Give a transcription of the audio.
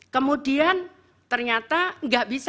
kemudian ternyata nggak bisa